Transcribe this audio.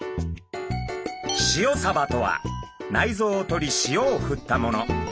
塩サバとは内臓を取り塩を振ったもの。